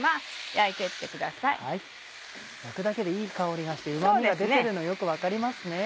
焼くだけでいい香りがしてうま味が出てるのよく分かりますね。